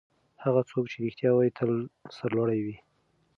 هغه څوک چې رښتیا وايي تل سرلوړی وي.